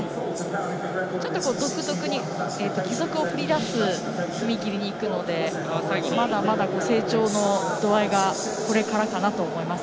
ちょっと独特に義足を振り出す踏み切りにいくのでまだまだ、成長の度合いがこれからかなと思います。